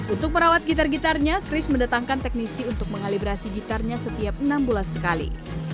untuk merawat gitar gitarnya chris mendatangkan teknisi untuk mengalibrasi gitarnya setiap enam bulan sekali